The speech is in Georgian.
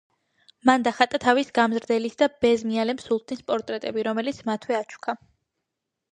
მან დახატა თავის გამზრდელის და ბეზმიალემ სულთნის პორტრეტები, რომლებიც მათვე აჩუქა.